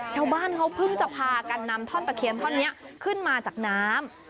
ชาวบ้านเขาเพิ่งจะพากันนำท่อนตะเคียนท่อนนี้ขึ้นมาจากน้ำ